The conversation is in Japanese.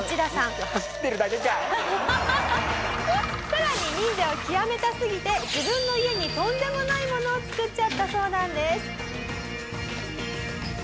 「さらに忍者を極めたすぎて自分の家にとんでもないものを作っちゃったそうなんです」